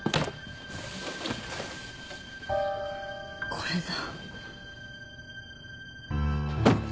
これだ。